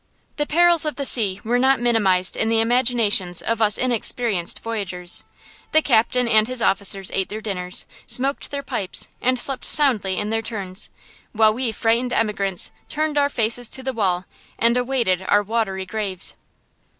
The perils of the sea were not minimized in the imaginations of us inexperienced voyagers. The captain and his officers ate their dinners, smoked their pipes and slept soundly in their turns, while we frightened emigrants turned our faces to the wall and awaited our watery graves.